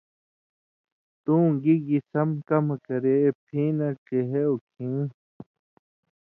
تُوں گی گی سم کمہۡ کرے پھېں نہ ڇِہېو کھیں،